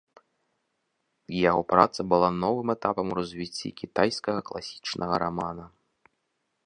Яго праца была новым этапам у развіцці кітайскага класічнага рамана.